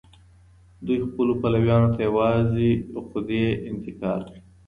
دوی خپلو پلويانو ته يوازې عقدې انتقال کړې.